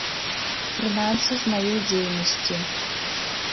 Прынамсі з маёй дзейнасці.